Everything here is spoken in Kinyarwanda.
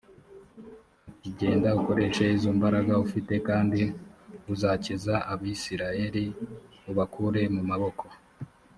ati “genda ukoreshe izo mbaraga ufite kandi uzakiza abisirayeli ubakure mu maboko